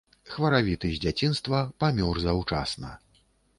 Хваравіты з дзяцінства, памёр заўчасна.